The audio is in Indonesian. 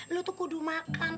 lo tuh kudu makan